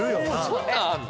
そんなんあんの？